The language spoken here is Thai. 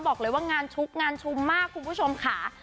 บอกเลยว่างานชุกงานชุมมากคุณผู้ชมค่ะ